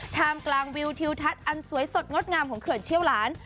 ท่ามกลางวิวทิวทัศน์อันสวยสดงดงามของเขื่อนเชี่ยวหลาน